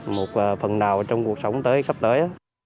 một phần nào trong cuộc sống tới sắp tới